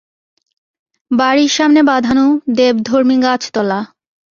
বাড়ির সামনে বাধানো দেবধর্মী গাছতলা।